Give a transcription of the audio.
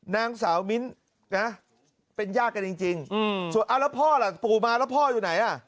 น้างสาวมิ้นท์เนี่ยเป็นยากจริงแล้วพ่อล่ะปู่มาแล้วพ่ออยู่ไหน